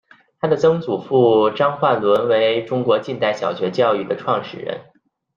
她的曾祖父张焕纶为中国近代小学教育的创始人。